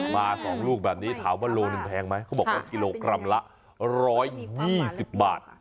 มา๒ลูกแบบนี้ถามว่าโลหนึ่งแพงไหมเขาบอกว่ากิโลกรัมละ๑๒๐บาท